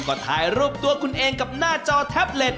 ก็ถ่ายรูปตัวคุณเองกับหน้าจอแท็บเล็ต